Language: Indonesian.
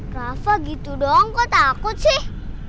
rafa gitu dong kok takut sih